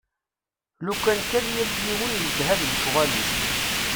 Lukan kan yal yiwen iletha d lecɣal-is.